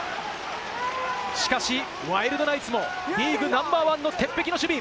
しかし、ワイルドナイツもリーグナンバーワンの鉄壁の守備。